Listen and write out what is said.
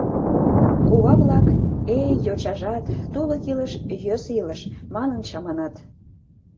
Кува-влак, «эй, йочажат, тулык илыш — йӧсӧ илыш» манын, чаманат.